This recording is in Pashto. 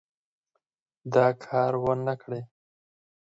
دا کار ونه کړي.